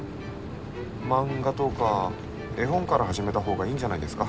漫画とか絵本から始めた方がいいんじゃないですか？